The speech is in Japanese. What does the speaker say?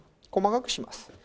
細かくします。